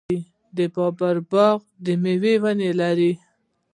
د بابر باغ د میوو ونې لري.